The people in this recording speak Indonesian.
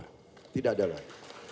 dan itu adalah